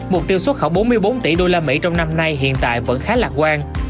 mục tiêu xuất khẩu bốn mươi bốn tỷ usd trong năm nay hiện tại vẫn khá lạc quan